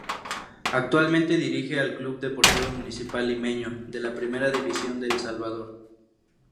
Actualmente dirige al Club Deportivo Municipal Limeño de la Primera División de El Salvador.